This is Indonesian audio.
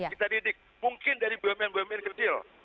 kita didik mungkin dari bumn bumn kecil